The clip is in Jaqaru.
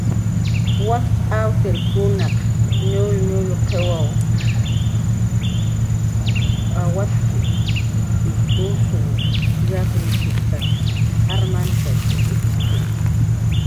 "Wakch awtirkunaq nullnull qiw palnushp""tak ish uskun yaknushp""tak awtir ik""ki. "